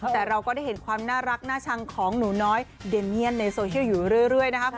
แต่เราก็ได้เห็นความน่ารักน่าชังของหนูน้อยเดเมียนในโซเชียลอยู่เรื่อยนะครับ